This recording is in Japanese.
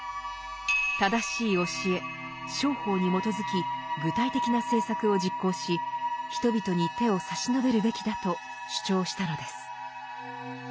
正しい教え「正法」に基づき具体的な政策を実行し人々に手を差し伸べるべきだと主張したのです。